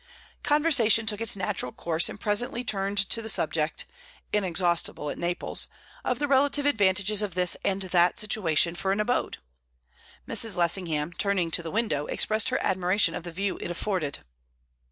Conversation took its natural course, and presently turned to the subject inexhaustible at Naples of the relative advantages of this and that situation for an abode. Mrs. Lessingham, turning to the window, expressed her admiration of the view it afforded.